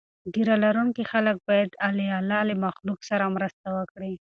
ږیره لرونکي خلک باید د الله له مخلوق سره مرسته وکړي.